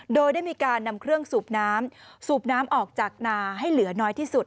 โดยได้มีการนำเครื่องสูบน้ำสูบน้ำออกจากนาให้เหลือน้อยที่สุด